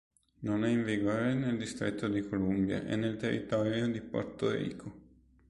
Non è in vigore nel Distretto di Columbia e nel territorio di Porto Rico.